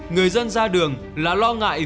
người dân ra đường là lo ngại